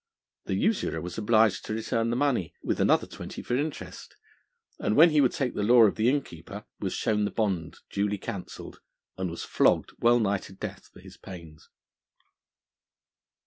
The usurer was obliged to return the money, with another twenty for interest, and when he would take the law of the innkeeper, was shown the bond duly cancelled, and was flogged wellnigh to death for his pains.